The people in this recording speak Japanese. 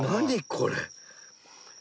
これ。